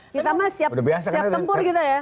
kita mah siap tempur gitu ya